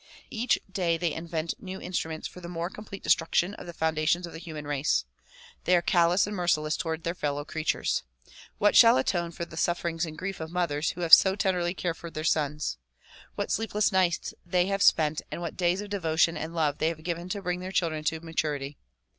Each day they invent new instruments for the more complete destruction of the foundations of the human race. They are callous and merciless toward their fellow creatures. What shall atone for the sufferings and grief of mothers who have so tenderly cared for their sons? What sleepless nights they have spent and what days of devotion and love they have given to bring their children to maturity!